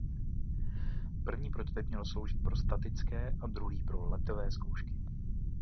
První prototyp měl sloužit pro statické a druhý pro letové zkoušky.